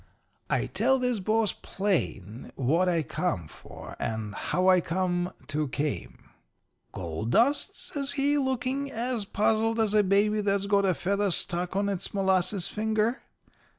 "' "I tells this boss plain what I come for and how I come to came. "'Gold dust?' says he, looking as puzzled as a baby that's got a feather stuck on its molasses finger.